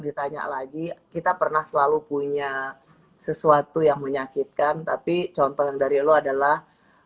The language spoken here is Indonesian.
ditanya lagi kita pernah selalu punya sesuatu yang menyakitkan tapi contoh yang dari lo adalah